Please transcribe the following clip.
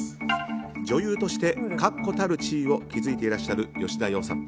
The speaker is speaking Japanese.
女優として確固たる地位を築いていらっしゃる吉田羊さん。